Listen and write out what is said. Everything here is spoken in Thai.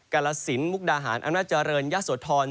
กาลสินมุกดาหารอำนาจเจริญยะโสธร